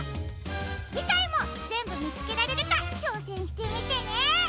じかいもぜんぶみつけられるかちょうせんしてみてね！